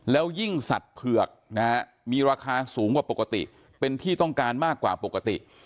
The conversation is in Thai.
แล้วยิ่งสัตว์เผือกนะฮะมีราคาสูงกว่าปกติเป็นที่ต้องการมากกว่าปกติ